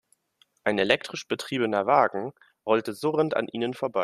Ein elektrisch betriebener Wagen rollte surrend an ihnen vorbei.